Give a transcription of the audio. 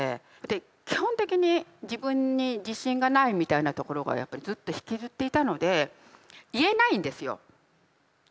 基本的に自分に自信がないみたいなところがやっぱりずっと引きずっていたので言えないんですよ。